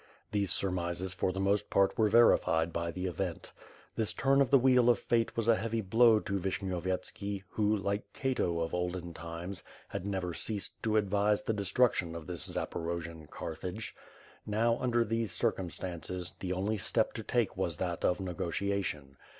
These surmises for the most part were verified by the event. This turn of the wheel of fate was a heavy blow to Vishnyovyetski who, like Cato of olden times, had never ceased to advise the destruction of this Zaporojian Carthage. Now, under these circumstances, the only step to take was that of negotiation.